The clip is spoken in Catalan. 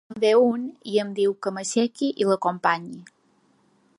En ve un i em diu que m’aixequi i l’acompanyi.